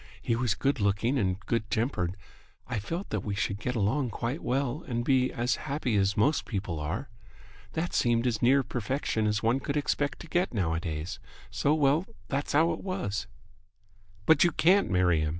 He was good looking and good tempered. I felt that we should get along quite well and be as happy as most people are. That seemed as near perfection as one could expect to get nowadays, so well, that's how it was." "But you can't marry him!